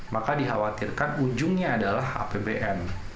maka dikhawatirkan ujungnya adalah apbn